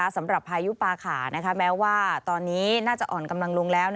พายุปาขาแม้ว่าตอนนี้น่าจะอ่อนกำลังลงแล้ว